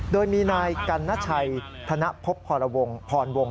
โดยมีนายกันน้าชัยธนภพฒรวงศ์พรวง